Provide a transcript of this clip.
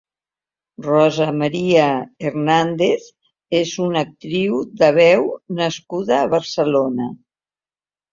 Rosa María Hernández és una actriu de veu nascuda a Barcelona.